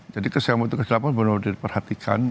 jadi kesiapan di lapangan benar benar diperhatikan